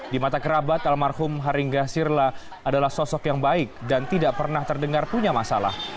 di mata kerabat almarhum haringga sirla adalah sosok yang baik dan tidak pernah terdengar punya masalah